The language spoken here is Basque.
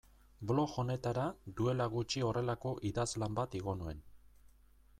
Blog honetara duela gutxi horrelako idazlan bat igo nuen.